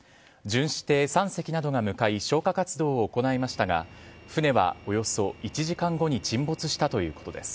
巡視艇３隻などが向かい、消火活動を行いましたが、船はおよそ１時間後に沈没したということです。